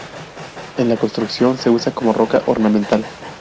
En la construcción se usa como roca ornamental.